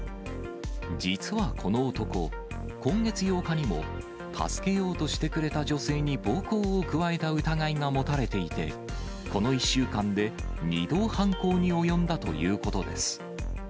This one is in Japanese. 実はこの男、今月８日にも、助けようとしてくれた女性に暴行を加えた疑いが持たれていて、この１週間で２度犯行に及んだということです。